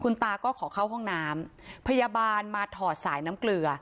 ตาก็ขอเข้าห้องน้ำพยาบาลมาถอดสายน้ำเกลือ